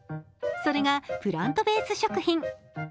それが、プラントベース食品。